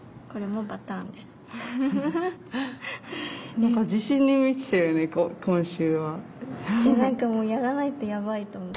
何かもうやらないとやばいと。